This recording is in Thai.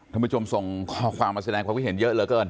ท่านผู้ชมส่งข้อความมาแสดงความคิดเห็นเยอะเหลือเกิน